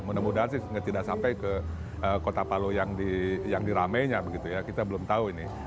mudah mudahan sih tidak sampai ke kota palu yang diramainya begitu ya kita belum tahu ini